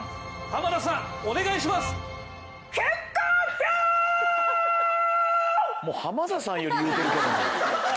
さあ実際浜田さんより言うてるけどな。